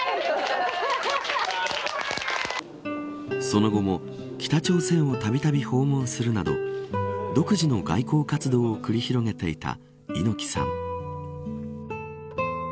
その後も北朝鮮をたびたび訪問するなど独自の外交活動を繰り広げていた猪木さん。